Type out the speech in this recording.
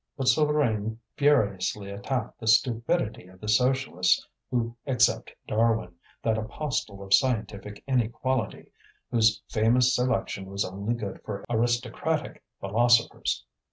But Souvarine furiously attacked the stupidity of the Socialists who accept Darwin, that apostle of scientific inequality, whose famous selection was only good for aristocratic philosophers.